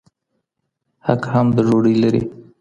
حق هم د ډوډۍ لري